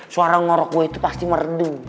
suara norok gue itu pasti merdu